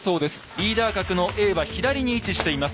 リーダー格のＡは左に位置しています。